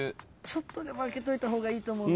ちょっとでも開けといた方がいいと思うので。